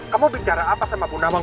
kamu bicara apa sama bunda mang